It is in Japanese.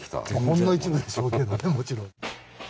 ほんの一部でしょうけどねもちろん。